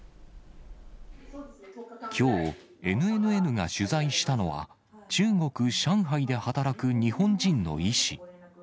きょう、ＮＮＮが取材したのは、中国・上海で働く日本人の医師。